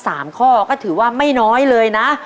สามข้อก็ถือว่าไม่น้อยเลยนะ